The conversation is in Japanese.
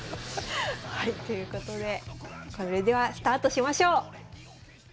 はいということでそれではスタートしましょう。